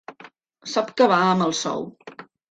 Sap que va amb el sou.